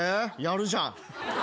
やるじゃん。